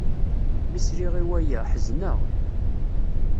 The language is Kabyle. Mi sliɣ i waya, ḥezneɣ.